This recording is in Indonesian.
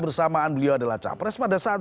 bersamaan beliau adalah capres pada saat